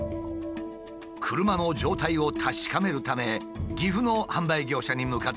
車の状態を確かめるため岐阜の販売業者に向かった男性。